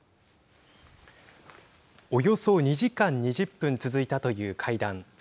およそ２時間２０分続いたという会談。